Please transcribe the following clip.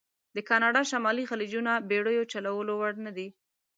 د کانادا شمالي خلیجونه بېړیو چلولو وړ نه دي.